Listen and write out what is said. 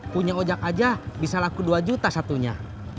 punya ojek aja bisa laku dua juta satunya